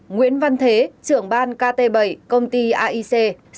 một nguyễn văn thế trưởng ban kt bảy công ty aic